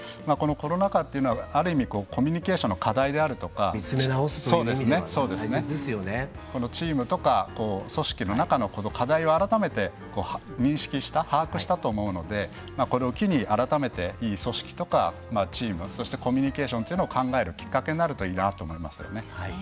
コロナ禍っていうのは、ある意味コミュニケーションの課題であるとかチームとか組織の中の課題を改めて認識した把握したと思うのでこれを機に、改めていい組織とかチームそしてコミュニケーションというのを考えるきっかけになるといいなと思います。